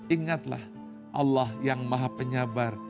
ingatlah allah yang maha penyabar